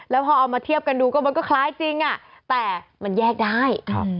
แล้วพอเอามาเทียบกันดูก็มันก็คล้ายจริงแต่มันแยกได้